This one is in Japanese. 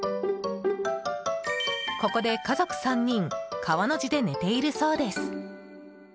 ここで家族３人川の字で寝ているそうです。